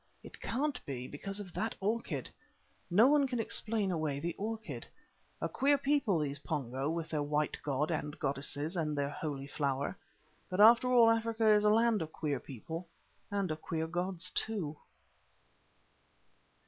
It can't be because of that orchid. No one can explain away the orchid. A queer people, these Pongo, with their white god and goddess and their Holy Flower. But after all Africa is a land of queer people, and of queer gods too."